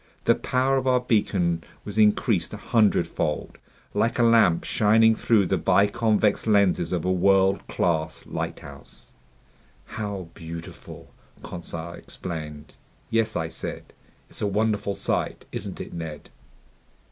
The power of our beacon was increased a hundredfold, like a lamp shining through the biconvex lenses of a world class lighthouse. "How beautiful!" Conseil exclaimed. "Yes," I said, "it's a wonderful sight! Isn't it, Ned?"